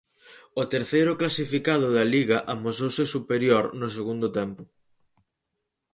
O terceiro clasificado da Liga amosouse superior no segundo tempo.